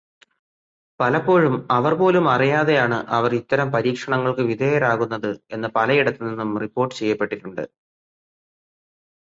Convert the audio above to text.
പലപ്പോഴും അവർ പോലും അറിയാതെയാണ് അവർ ഇത്തരം പരീക്ഷണങ്ങൾക്കു വിധേയരാകുന്നത് എന്നത് പലയിടത്ത് നിന്നും റിപ്പോർട് ചെയ്യപ്പെട്ടിട്ടുണ്ട്.